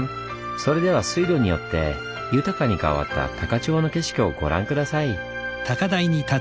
それでは水路によって豊かに変わった高千穂の景色をご覧下さい。